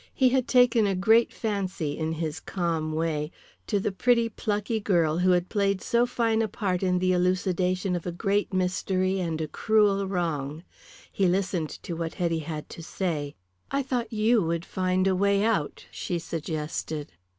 He had taken a great fancy in his calm way to the pretty, plucky girl who had played so fine a part in the elucidation of a great mystery and a cruel wrong. He listened to what Hetty had to say. "I thought you would find a way out," she suggested.